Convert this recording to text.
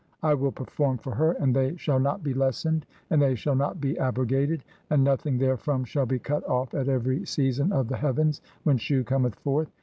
I will perform for her, and they shall not be "lessened, and they shall not be abrogated, and no "thing therefrom shall be cut off at every season of the "heavens when Shu cometh forth.